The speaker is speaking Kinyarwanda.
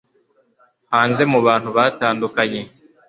hanze mu bantu batandukaye